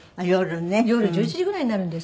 夜１１時ぐらいになるんですけども。